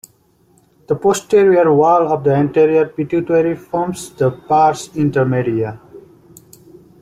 The posterior wall of the anterior pituitary forms the pars intermedia.